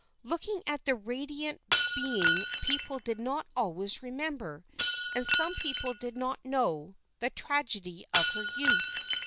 Looking at the radiant being people did not always remember, and some people did not know, the tragedy of her youth.